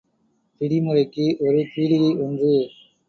பிடி முறைக்கு ஒரு பீடிகை ஒன்று.